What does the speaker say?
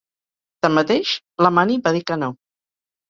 Tanmateix, la Mani va dir que no.